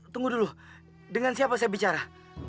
tunggu dulu dengan siapa saya bicara